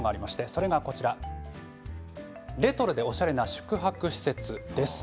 それが、レトロでおしゃれな宿泊施設です。